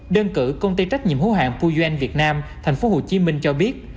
đơn cử công ty trách nhiệm hữu hạn puyuen việt nam thành phố hồ chí minh cho biết